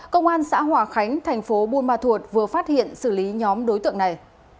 công an xã hòa khánh thành phố buôn ma thuột vừa phát hiện xử lý nhóm đối tượng này